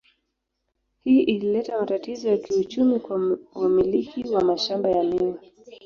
Hii ilileta matatizo ya kiuchumi kwa wamiliki wa mashamba ya miwa.